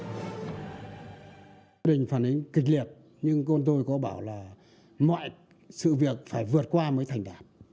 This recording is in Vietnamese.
gia đình phản ánh kịch liệt nhưng con tôi có bảo là mọi sự việc phải vượt qua mới thành đạt